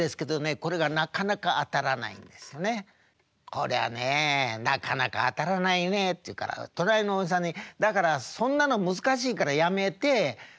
「こりゃねえなかなか当たらないね」って言うから隣のおじさんに「だからそんなの難しいからやめてそれでカラオケやれば？